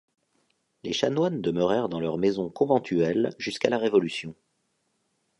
Les chanoines demeurèrent dans leur maison conventuelle jusqu’à la Révolution.